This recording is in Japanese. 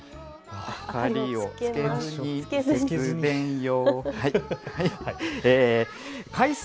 明かりをつけずに節電を。